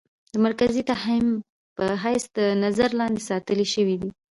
د مرکزي تهيم په حېث د نظر لاندې ساتلے شوې ده.